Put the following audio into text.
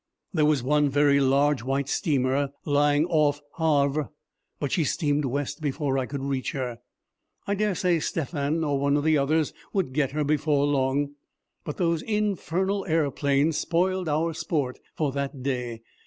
There was one very large white steamer lying off Havre, but she steamed west before I could reach her. I dare say Stephan or one of the others would get her before long. But those infernal aeroplanes spoiled our sport for that day.